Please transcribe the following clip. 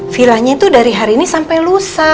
villanya itu dari hari ini sampai lusa